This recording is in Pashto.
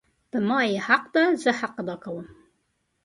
په ما یی حق ده زه حق ادا کوم